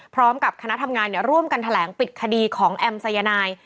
พร้อมกับคณะทำงานร่วมกันแถลงปิดคดีของแอมสายนาย